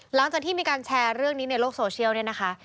หลังจากที่มีการแชร์เรื่องนี้ในโลกโซเชียลเนี่ยนะคะ